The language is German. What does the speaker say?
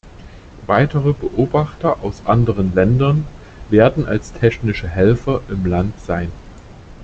Weitere Beobachter aus anderen Ländern werden als technische Helfer im Land sein.